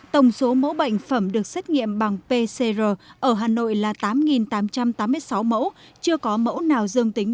tổng số mẫu bệnh phẩm được xét nghiệm bằng pcr ở hà nội là tám tám trăm tám mươi sáu mẫu chưa có mẫu nào dương tính